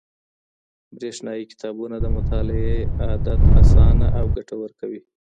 برېښنايي کتابونه د مطالعې عادت آسانه او ګټور کوي.